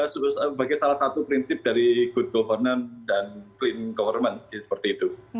sebagai salah satu prinsip dari good governance dan clean government seperti itu